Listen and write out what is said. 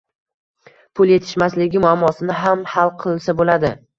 pul yetishmasligi muammosini ham hal qilsa bo‘ladi.